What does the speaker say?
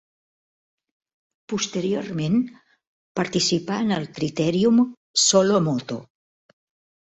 Posteriorment participà en el Critèrium Solo Moto.